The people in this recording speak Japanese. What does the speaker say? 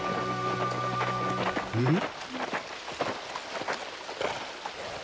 うん？